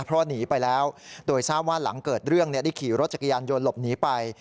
เพราะหนีไปแล้วโดยทราบว่าหลังเกิดเรื่องได้ขี่รถจักรยานยนต์หลบหนีไป